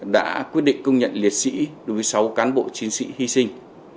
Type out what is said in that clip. đã quyết định công nhận liệt sĩ đối với sáu cán bộ chiến sĩ hy sinh